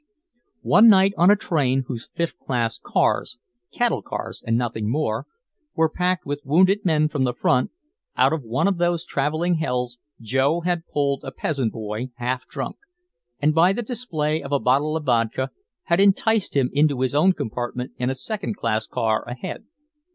One night on a train whose fifth class cars, cattle cars and nothing more, were packed with wounded men from the front, out of one of those traveling hells Joe had pulled a peasant boy half drunk, and by the display of a bottle of vodka had enticed him into his own compartment in a second class car ahead.